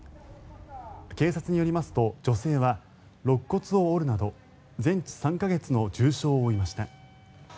警察によりますと女性はろっ骨を折るなど全治３か月の重傷を負いました。